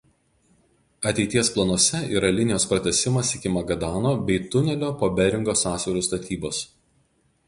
Ateities planuose yra linijos pratęsimas iki Magadano bei tunelio po Beringo sąsiauriu statybos.